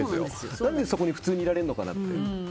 何でそこに普通にいられるのかなって。